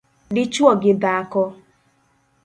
dichwo gi dhako